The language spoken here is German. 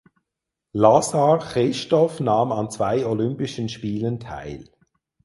Lasar Christow nahm an zwei Olympischen Spielen teil.